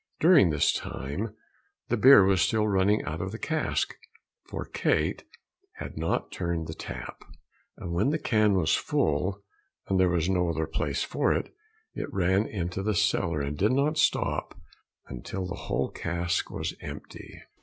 During this time the beer was still running out of the cask, for Kate had not turned the tap. And when the can was full and there was no other place for it, it ran into the cellar and did not stop until the whole cask was empty.